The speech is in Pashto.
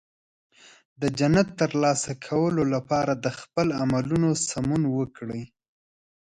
د جنت ترلاسه کولو لپاره د خپل عملونو سمون وکړئ.